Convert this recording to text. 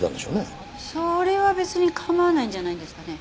それは別に構わないんじゃないんですかね。